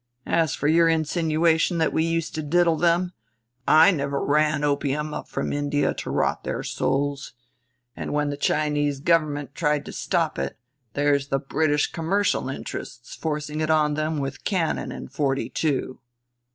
As for your insinuation that we used to diddle them I never ran opium up from India to rot their souls. And when the Chinese Government tried to stop it there's the British commercial interests forcing it on them with cannon in 'forty two.